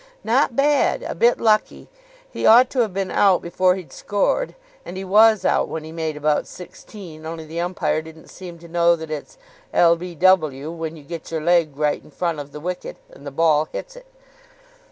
"Not bad. A bit lucky. He ought to have been out before he'd scored, and he was out when he'd made about sixteen, only the umpire didn't seem to know that it's l b w when you get your leg right in front of the wicket and the ball hits it.